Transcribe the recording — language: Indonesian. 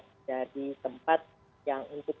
menjadi tempat yang untuk